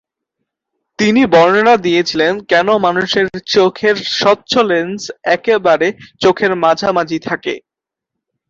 তিনি বর্ণনা দিয়েছিলেন কেন মানুষের চোখের স্বচ্ছ লেন্স একেবারে চোখের মাঝামাঝি থাকে।